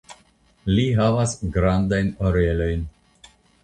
Li havas grandajn orelojn.